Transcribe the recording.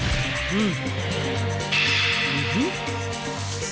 うん。